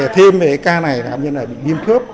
thêm về ca này bệnh nhân bị viêm khớp